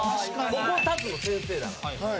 ここ立つの先生だから。